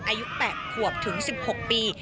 อายุ๘ขวบถึง๑๖ปี